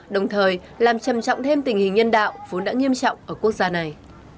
đồng thời làm trầm trọng thêm tình hình nhân đạo vốn đã nghiêm trọng ở quốc gia này